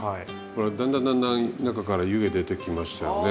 ほらだんだんだんだん中から湯気出てきましたよね。